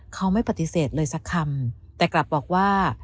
เขาไม่ปฏิเสธเลยสักคำแต่กลับบอกว่า